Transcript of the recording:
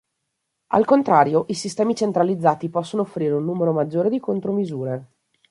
Al contrario i sistemi centralizzati possono offrire un numero maggiore di contromisure.